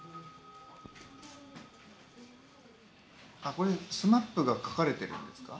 これＳＭＡＰが描かれているんですか？